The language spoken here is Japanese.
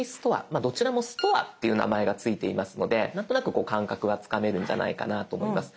まあどちらもストアっていう名前が付いていますので何となくこう感覚がつかめるんじゃないかなと思います。